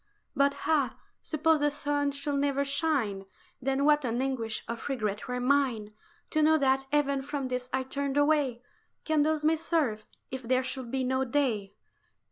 "But ah! suppose the sun should never shine, Then what an anguish of regret were mine To know that even from this I turned away! Candles may serve, if there should be no day."